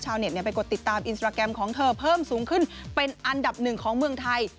ไปกดติดตามอินสตราแกรมของเธอเพิ่มสูงขึ้นเป็นอันดับหนึ่งของเมืองไทย